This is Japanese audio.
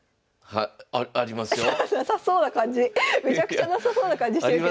めちゃくちゃなさそうな感じしてるけど。